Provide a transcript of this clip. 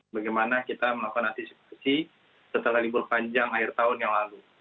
bagaimana kita melakukan antisipasi setelah libur panjang akhir tahun yang lalu